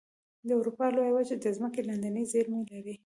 د اروپا لویه وچه د ځمکې لاندې زیرمې لري.